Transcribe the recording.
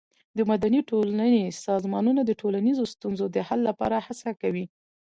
د مدني ټولنې سازمانونه د ټولنیزو ستونزو د حل لپاره هڅه کوي.